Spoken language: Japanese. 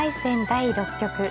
第６局。